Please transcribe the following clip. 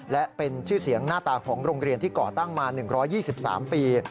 และเป็นชื่อเสียงหน้าตาของโรงเรียนที่ก่อตั้งมา๑๒๓ปี